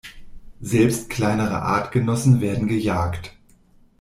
Selbst kleinere Artgenossen werden gejagt.